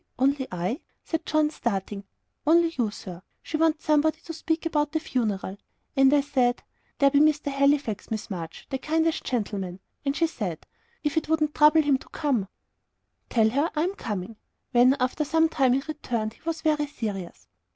only I?" said John, starting. "Only you, sir. She wants somebody to speak to about the funeral and I said, 'There be Mr. Halifax, Miss March, the kindest gentleman'; and she said, 'if it wouldn't trouble him to come '" "Tell her I am coming." When, after some time, he returned, he was very serious.